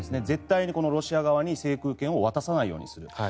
絶対にロシア側に制空権を渡さないようにする。